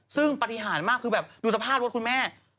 ซึ่งปฏิหารมากคือแบบดูสภาพรถคุณแม่